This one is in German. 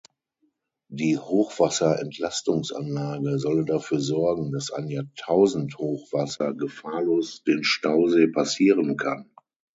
Die Hochwasserentlastungsanlage solle dafür sorgen, dass ein Jahrtausend-Hochwasser gefahrlos den Stausee passieren kann.